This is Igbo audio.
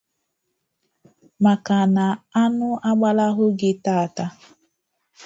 Maka na anụ gbalahụ gị tata